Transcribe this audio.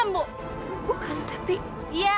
terima kasih bu ya